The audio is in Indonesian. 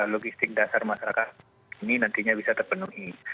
logistik dasar masyarakat ini nantinya bisa terpenuhi